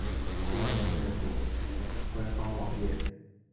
西澳州政府官方网页